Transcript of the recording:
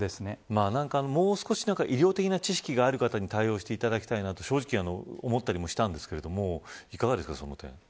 もう少し医療的な知識がある方に対応していただきたいなと正直、思ったりもしたんですがその点はいかがですか。